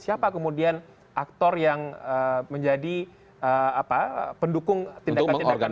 siapa kemudian aktor yang menjadi pendukung tindakan tindakan ini